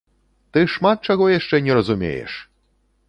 Ты шмат чаго яшчэ не разумееш!